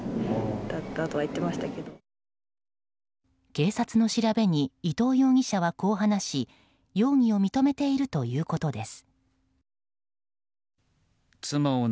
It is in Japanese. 警察の調べに伊藤容疑者はこう話し容疑を認めているということです。